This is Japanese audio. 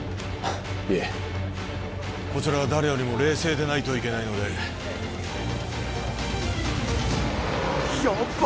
いえこちらは誰よりも冷静でないといけないのでやっば！